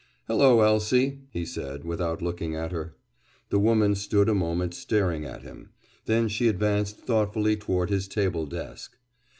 "Hello, Elsie!" he said, without looking at her. The woman stood a moment staring at him. Then she advanced thoughtfully toward his table desk.